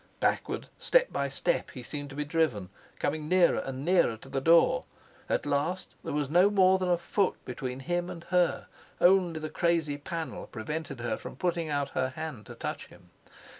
Backward step by step he seemed to be driven, coming nearer and nearer to the door. At last there was no more than a foot between him and her; only the crazy panel prevented her putting out her hand to touch him.